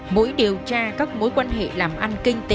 mỗi điều tra các mối quan hệ làm ăn kinh tế của võ thành tuấn